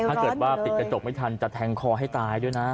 ถ้าเกิดว่าปิดกระจกไม่ทันจะแทงคอให้ตายด้วยนะ